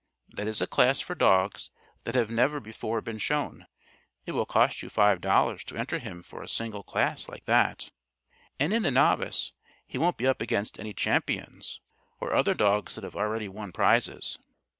That is a class for dogs that have never before been shown. It will cost you five dollars to enter him for a single class, like that. And in the Novice, he won't be up against any champions or other dogs that have already won prizes.